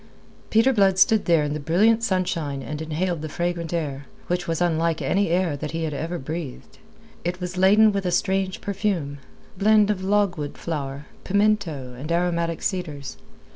Peter Blood stood there in the brilliant sunshine and inhaled the fragrant air, which was unlike any air that he had ever breathed. It was laden with a strange perfume, blend of logwood flower, pimento, and aromatic cedars.